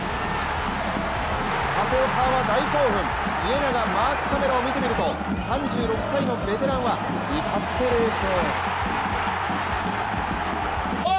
サポーターは大興奮、家長マークカメラを見てみると３６歳のベテランは至って冷静。